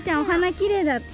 きれいだった？